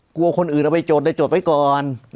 กลัวคนอื่นเอาไปจดได้จดไว้ก่อน